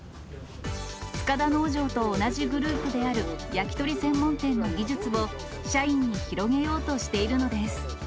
塚田農場と同じグループである焼き鳥専門店の技術を、社員に広げようとしているのです。